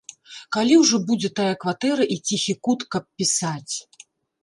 Калі ўжо будзе тая кватэра і ціхі кут, каб пісаць!